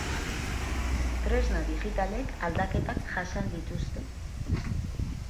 Tresna digitalek aldaketak jasan dituzte.